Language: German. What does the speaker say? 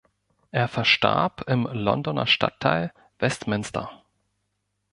Er verstarb im Londoner Stadtteil Westminster.